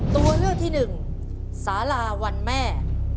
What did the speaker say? ตัวเลือกที่หนึ่งสาราวันแม่